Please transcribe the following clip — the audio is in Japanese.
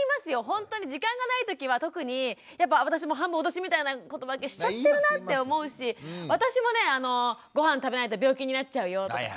ほんとに時間がない時は特にやっぱ私も半分脅しみたいな言葉がけしちゃってるなって思うし私もね「ごはん食べないと病気になっちゃうよ！」とか。